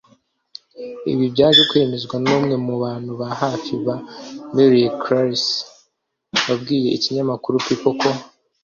Ibi byaje kwemezwa n’umwe mu bantu ba hafi ya Miley Cyrus wabwiye ikinyamakuru People ko